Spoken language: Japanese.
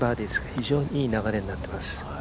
非常にいい流れになっています。